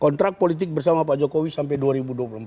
kontrak politik bersama pak jokowi sampai dua ribu dua puluh empat